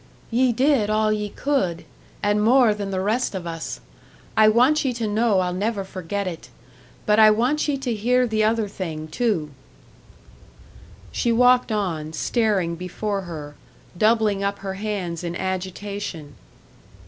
"Ye did all ye could and more than the rest of us. I want ye to know I'll never forget it. But I want ye to hear the other thing, too!" She walked on, staring before her, doubling up her hands in agitation.